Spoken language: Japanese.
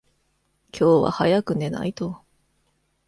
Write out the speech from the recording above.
今日は早く寝ないと。